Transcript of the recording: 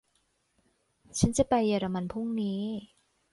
ฉันจะไปเยอรมันพรุ่งนี้